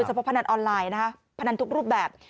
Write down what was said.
เพนันออนไลน์นะคะพนันทุกรูปแบบ